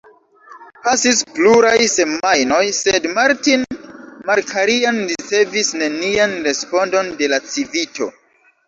Pasis pluraj semajnoj, sed Martin Markarian ricevis nenian respondon de la Civito.